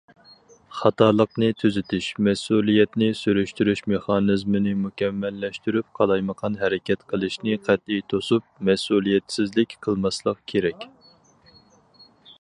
خاتالىقنى تۈزىتىش، مەسئۇلىيەتنى سۈرۈشتۈرۈش مېخانىزمىنى مۇكەممەللەشتۈرۈپ، قالايمىقان ھەرىكەت قىلىشنى قەتئىي توسۇپ، مەسئۇلىيەتسىزلىك قىلماسلىق كېرەك.